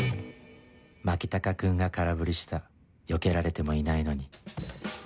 牧高君が空振りしたよけられてもいないのに